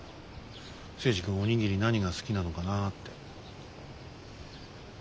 征二君お握り何が好きなのかなって。